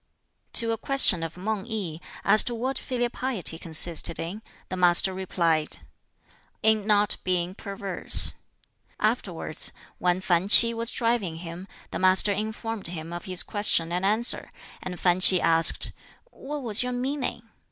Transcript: To a question of Mang i, as to what filial piety consisted in, the master replied, "In not being perverse." Afterwards, when Fan Ch'i was driving him, the Master informed him of this question and answer, and Fan Ch'i asked, "What was your meaning?"